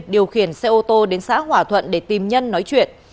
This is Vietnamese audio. điều khiển xe ô tô đến xã hòa thuận để tìm nhân nói chuyện